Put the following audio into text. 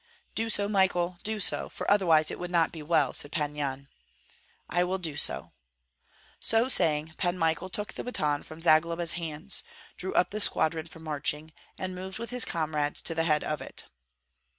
"Do so, Michael, do so, for otherwise it would not be well," said Pan Yan. "I will do so." So saying, Pan Michael took the baton from Zagloba's hands, drew up the squadron for marching, and moved with his comrades to the head of it.